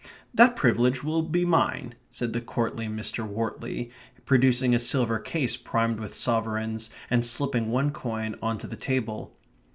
"That privilege will be mine," said the courtly Mr. Wortley, producing a silver case primed with sovereigns and slipping one coin on to the table.